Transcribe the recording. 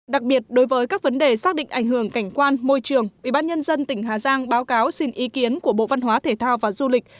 đặc biệt đối với các vấn đề xác định ảnh hưởng cảnh quan môi trường ubnd tỉnh hà giang báo cáo xin ý kiến của bộ văn hóa thể thao và du lịch